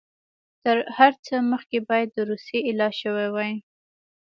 تر هر څه مخکې باید د روسیې علاج شوی وای.